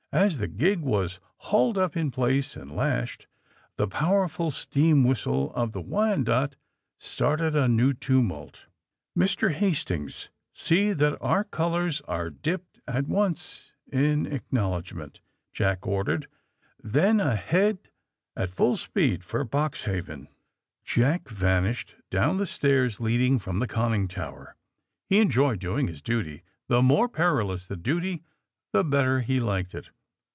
As the gig was hauled up in place and lashed the powerful steam whistle of the ^^Wyanoke'^ started a new tumult. Mr. Hastings, see that our colors are dipped AND THE SMUGGLEES 151 at once in acknowledgment,'' Jack ordered, T]ien ahead at full speed for Boxhaven." Jack vanished down the stairs leading from the conning tower. He enjoyed doing his duty ; the more perilous the duty, the better he liked it.